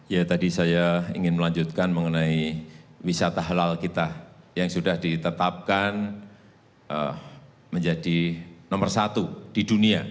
ya tadi saya ingin melanjutkan mengenai wisata halal kita yang sudah ditetapkan menjadi nomor satu di dunia